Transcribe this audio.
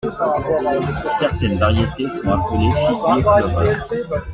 Certaines variétés sont appelées figuier pleureur.